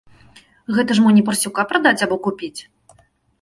Гэта ж мо не парсюка прадаць або купіць!